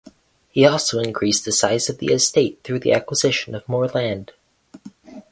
He also increased the size of the estate through the acquisition of more land.